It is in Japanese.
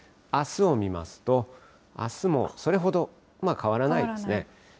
あすを見ますと、あすもそれほど変わらないですね。